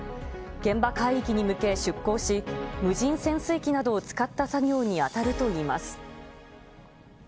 現場海域に向け出航し、無人潜水機などを使った作業に当たるといいます。